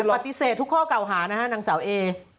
ปฏิเสธทุกข้อเก่าหานะฮะนางสาวเอ